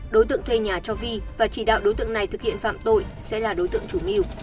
đối tượng thuê nhà cho vi và chỉ đạo đối tượng này thực hiện phạm tội sẽ là đối tượng chủ mưu